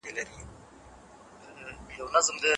موږ منفي زده کوو.